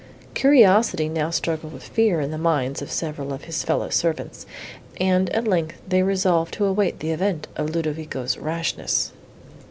Curiosity now struggled with fear in the minds of several of his fellow servants, and, at length, they resolved to await the event of Ludovico's rashness.